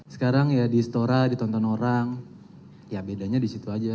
sekarang ya di istora ditonton orang ya bedanya di situ aja